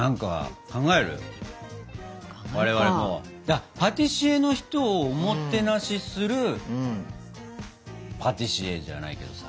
あっパティシエの人をおもてなしするパティシエじゃないけどさ。